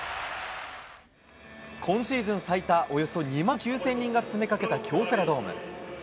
今シーズン最多、およそ２万９０００人が詰めかけた京セラドーム。